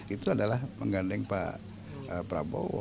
itu adalah menggandeng pak prabowo